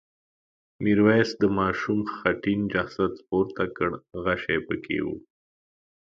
میرويس د ماشوم خټین جسد پورته کړ غشی پکې و.